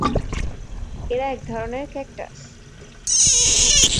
এরা একধরনের ক্যাকটাস।